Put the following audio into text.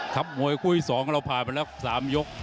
คับมวยคุย๒เราผ่านไปแล้ว๓ยก